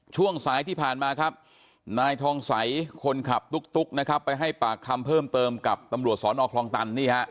ช่วงสายที่ผ่านมาครับนายทองใสคนขับตุ๊กนะครับไปให้ปากคำเพิ่มเติมกับตำรวจสอนอคลองตัน